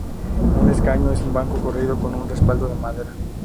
Un escaño es un banco corrido con un respaldo de madera.